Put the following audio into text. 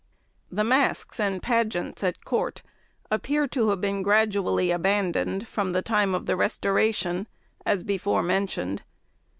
THE masks and pageants at court appear to have been gradually abandoned from the time of the Restoration, as before mentioned.